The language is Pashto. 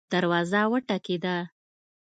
دروازه وټکیده